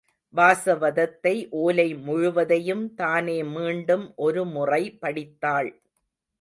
வாசவதத்தை ஓலை முழுவதையும் தானே மீண்டும் ஒருமுறை படித்தாள்.